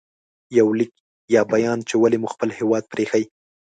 • یو لیک یا بیان چې ولې مو خپل هېواد پرې ایښی